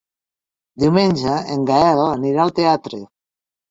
Diumenge en Gaël anirà al teatre.